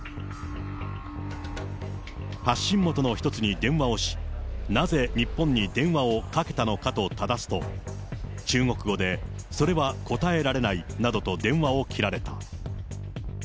発信元の１つに電話をし、なぜ日本に電話をかけたのかとただすと、中国語で、それは答えられないなどと電話を切られた。